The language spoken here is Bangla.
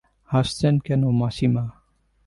হাসছেন কেন মাসিমা।